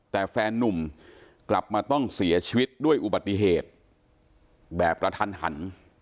แต่แฟนนุ่มกลับมาต้องเสียชีวิตด้วยอุบัติเหตุแบบกระทันหัน